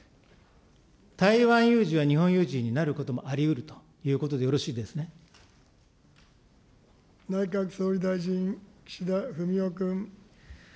台湾有事は日本有事になることもありうるとい内閣総理大臣、岸田文雄君。